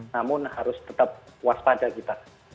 namun harus tetap waspada kita